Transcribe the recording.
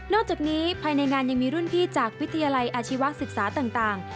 จากนี้ภายในงานยังมีรุ่นพี่จากวิทยาลัยอาชีวศึกษาต่าง